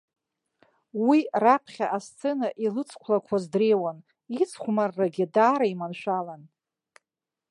Уи раԥхьа асцена илыцқәлақәаз дреиуан, ицхәмаррагьы даара иманшәалан.